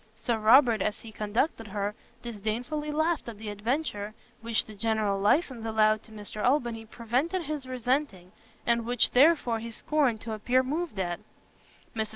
Sir Robert, as he conducted her, disdainfully laughed at the adventure, which the general licence allowed to Mr Albany prevented his resenting, and which therefore he scorned to appear moved at. Mrs.